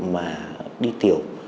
mà đi tiểu